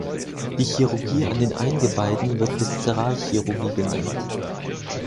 Die Chirurgie an den Eingeweiden wird Viszeralchirurgie genannt.